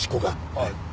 はい。